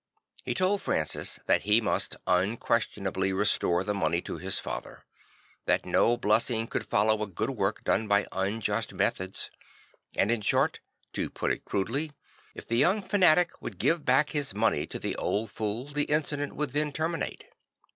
He told Francis that he must unquestionably restore the money to his father; that no blessing could follow a good work done by unjust methods; and in short (to put it crudely) if the young fanatic would give back his money to the old fool, the incident would then terminate.